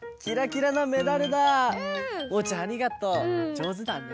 じょうずだね。